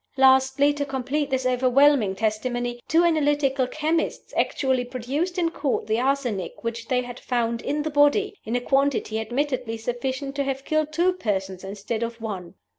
Lastly, to complete this overwhelming testimony, two analytical chemists actually produced in Court the arsenic which they had found in the body, in a quantity admittedly sufficient to have killed two persons instead of one.